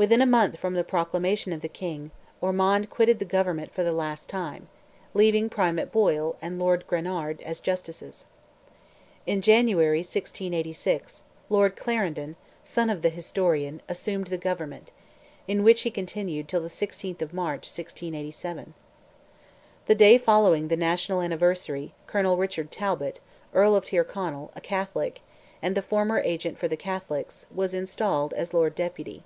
Within a month from the proclamation of the King, Ormond quitted the government for the last time, leaving Primate Boyle, and Lord Granard, as Justices. In January, 1686, Lord Clarendon, son of the historian, assumed the government, in which he continued, till the 16th of March, 1687. The day following the national anniversary, Colonel Richard Talbot, Earl of Tyrconnell, a Catholic, and the former agent for the Catholics, was installed as Lord Deputy.